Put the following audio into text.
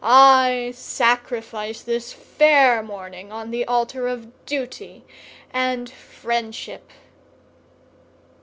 I sacrifice this fair morning on the altar of duty and friendship!"